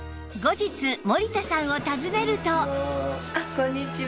こんにちは。